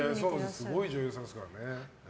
すごい女優さんですからね。